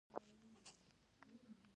او پۀ ږيره کښې يې ګوتې راښکلې